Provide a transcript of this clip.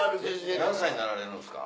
何歳になられるんですか？